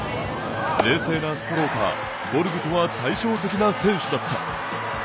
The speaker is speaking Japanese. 冷静なストローカーボルグとは対照的な選手だった。